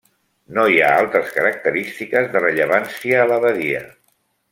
No hi ha altres característiques de rellevància a la badia.